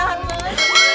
wah enak banget